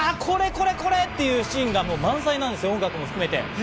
これこれ！っていうシーンが満載なんですよ、音楽も含めて。